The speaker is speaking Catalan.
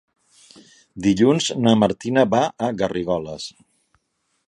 Dilluns na Martina va a Garrigoles.